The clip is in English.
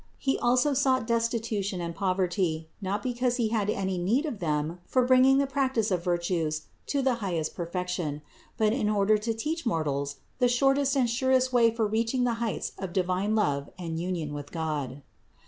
He also sought destitu tion and poverty, not because He had any need of them for bringing the practice of virtues to the highest per fection, but in order to teach mortals the shortest and surest way for reaching the heights of divine love and union with God, 466.